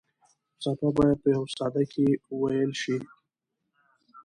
څپه باید په یوه ساه کې وېل شي.